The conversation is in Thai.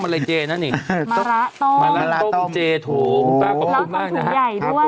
มหาปลาเขากำคับถุงใหญ่ด้วยนะ